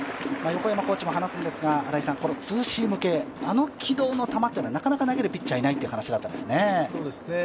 横山コーチも話すんですが、ツーシーム系あの軌道の球、なかなか投げるピッチャーはいないという話でしたね。